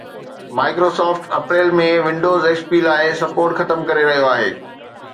Microsoft April ۾ Windows XP لاءِ support ختم ڪري رهيو آهي